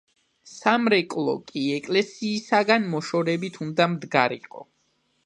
სამრეკლო კი ეკლესიისაგან მოშორებით უნდა მდგარიყო.